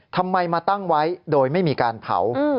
ทำไมมาตั้งไว้โดยไม่มีการเผา